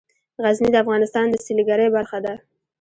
غزني د افغانستان د سیلګرۍ برخه ده.